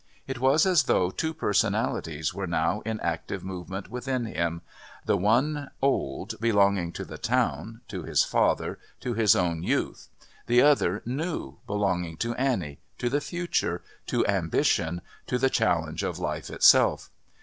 It was as though two personalities were now in active movement within him, the one old, belonging to the town, to his father, to his own youth, the other new, belonging to Annie, to the future, to ambition, to the challenge of life itself.